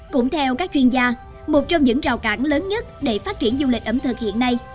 cũng theo các chuyên gia một trong những rào cản lớn nhất để phát triển du lịch ẩm thực hiện nay